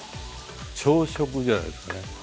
朝食じゃないですかね。